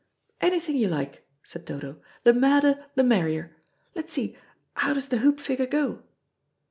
"Anything you like," said Dodo; "the madder the merrier. Let's see, how does the hoop figure go?"